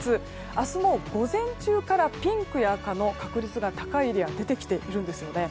明日午前中からピンクや赤の確率が高いエリアが出てきているんですよね。